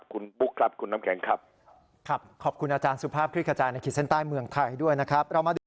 คุณบุ๊คครับคุณน้ำแข็งครับครับขอบคุณอาจารย์สุภาพคลิกขจายในขีดเส้นใต้เมืองไทยด้วยนะครับ